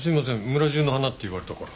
村中の花って言われたから。